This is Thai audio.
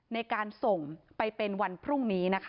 ในการส่งไปเป็นวันพรุ่งนี้นะคะ